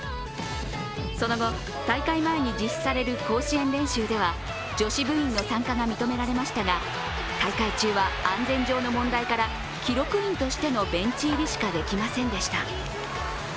その後、大会前に実施される甲子園練習では女子部員の参加が認められましたが、大会中は安全上の問題から記録員としてのベンチ入りしかできませんでした。